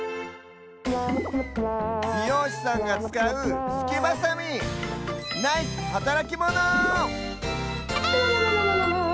びようしさんがつかうすきバサミナイスはたらきモノ！